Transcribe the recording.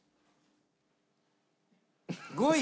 ５位。